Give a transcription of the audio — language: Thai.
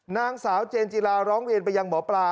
นางสาวเจนจิลาร้องเรียนไปยังหมอปลา